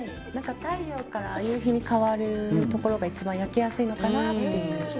太陽から夕陽に変わるところが一番焼けやすいのかなって。